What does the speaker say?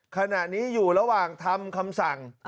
ขณะนี้อยู่ระหว่างทำคำสั่ง